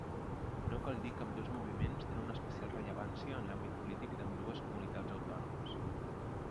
No cal dir que ambdós moviments tenen una especial rellevància en l'àmbit polític d'ambdues comunitats autònomes.